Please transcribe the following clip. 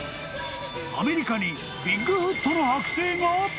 アメリカにビッグフットの剥製が？